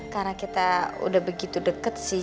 karena kita udah begitu deket sih